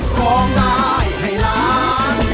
โปรดติดตามต่อไป